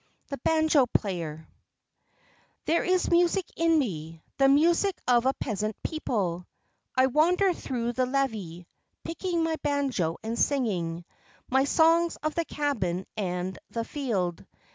THE BANJO PLAYER There is music in me, the music of a peasant people. I wander through the levee, picking my banjo and singing my songs of the cabin and the field.